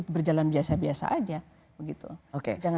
berjalan biasa biasa aja